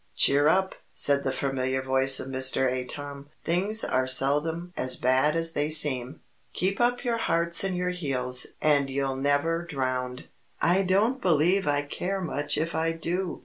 "Cheer up!" said the familiar voice of Mr. Atom. "Things are seldom as bad as they seem. Keep up your hearts and your heels, and you'll never drown." "I don't believe I care much if I do!"